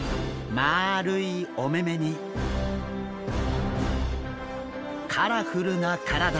まあるいお目々にカラフルな体。